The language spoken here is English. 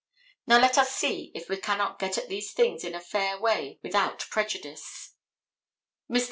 Now, let us see if we cannot get at these things in a fair way without prejudice. Mr.